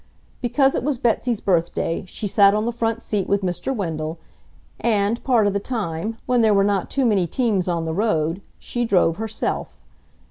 Because it was Betsy's birthday, she sat on the front seat with Mr. Wendell, and part of the time, when there were not too many teams on the road, she drove, herself.